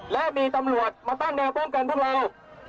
และมีตำรวจมาตั้งแนวป้องกันพวกเรา